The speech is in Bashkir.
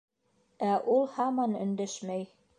Ә ул һаман өндәшмәй.